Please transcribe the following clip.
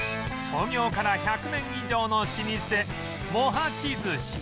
創業から１００年以上の老舗茂八寿司